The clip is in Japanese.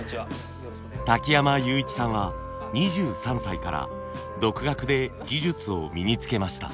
瀧山雄一さんは２３歳から独学で技術を身につけました。